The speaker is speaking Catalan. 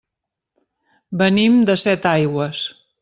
Venim de Setaigües.